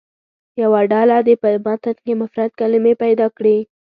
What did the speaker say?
یوه ډله دې په متن کې مفرد کلمې پیدا کړي.